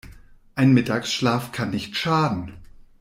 Ein Mittagschlaf kann nicht schaden.